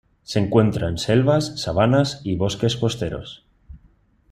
Se encuentra en selvas, sabanas y bosques costeros.